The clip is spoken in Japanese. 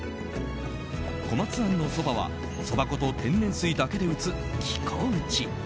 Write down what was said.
小松庵のそばは、そば粉と天然水だけで打つ生粉打ち。